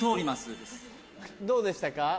どうでしたか？